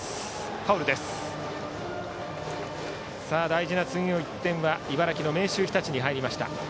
大事な次の１点は茨城の明秀日立に入りました。